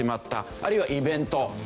あるいはイベント。